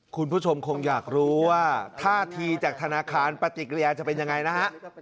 คุณผู้ชมคงอยากรู้ว่าท่าทีจากธนาคารปฏิกิริยาจะเป็นยังไงนะฮะ